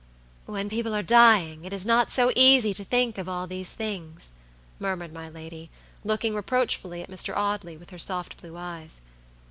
"When people are dying it is not so easy to think of all these things," murmured my lady, looking reproachfully at Mr. Audley with her soft blue eyes.